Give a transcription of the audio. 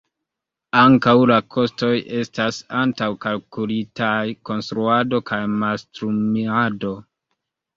Ankaŭ la kostoj estas antaŭkalkulitaj: konstruado kaj mastrumado.